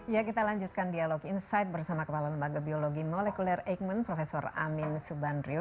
ya kita lanjutkan dialog insight bersama kepala lembaga biologi molekuler eijkman prof amin subandrio